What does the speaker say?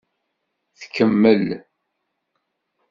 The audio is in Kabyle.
Tkemmel.